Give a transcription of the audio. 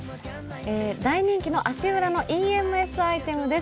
大人気の足裏のＥＭＳアイテムです。